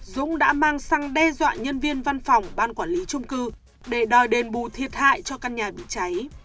dũng đã mang xăng đe dọa nhân viên văn phòng ban quản lý trung cư để đòi đền bù thiệt hại cho căn nhà bị cháy